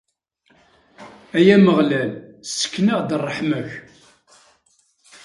Ay Ameɣlal, ssken-aɣ-d ṛṛeḥma-k!